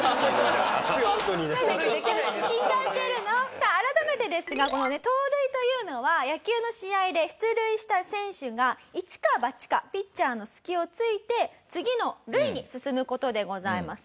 さあ改めてですがこのね盗塁というのは野球の試合で出塁した選手がイチかバチかピッチャーの隙をついて次の塁に進む事でございます。